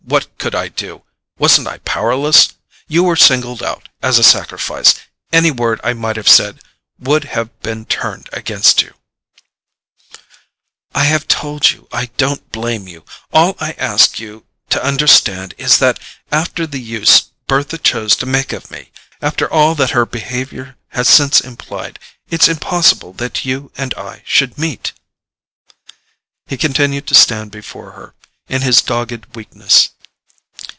what could I do—wasn't I powerless? You were singled out as a sacrifice: any word I might have said would have been turned against you——" "I have told you I don't blame you; all I ask you to understand is that, after the use Bertha chose to make of me—after all that her behaviour has since implied—it's impossible that you and I should meet." He continued to stand before her, in his dogged weakness.